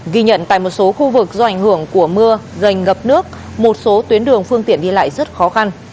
ghi nhận tại một số khu vực do ảnh hưởng của mưa gành ngập nước một số tuyến đường phương tiện đi lại rất khó khăn